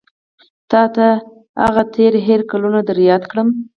تا ته هغه تېر هېر کلونه در یاد کړم.